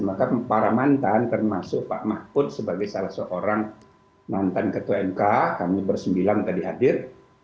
maka para mantan termasuk pak mahfud sebagai salah seorang mantan ketua mk kami bersembilan tadi hadir